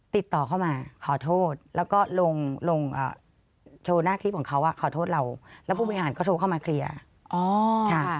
ติดต่อเข้ามาขอโทษแล้วก็ลงลงโชว์หน้าคลิปของเขาว่าขอโทษเราแล้วผู้พิหารก็โชว์เข้ามาเคลียร์